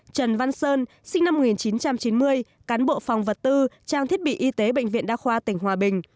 trần văn sơn sinh năm một nghìn chín trăm chín mươi cán bộ phòng vật tư trang thiết bị y tế bệnh viện đa khoa tỉnh hòa bình